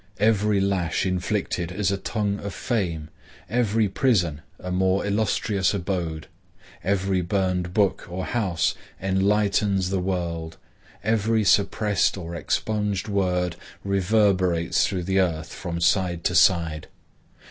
Every lash inflicted is a tongue of fame; every prison, a more illustrious abode; every burned book or house enlightens the world; every suppressed or expunged word reverberates through the earth from side to side.